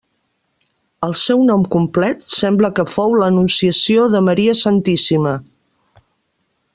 El seu nom complet sembla que fou l'Anunciació de Maria Santíssima.